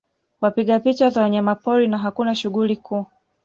Wapiga picha za wanyamapori na hakuna shughuli kuu